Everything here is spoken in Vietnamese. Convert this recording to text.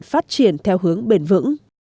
phát triển theo hướng bền vững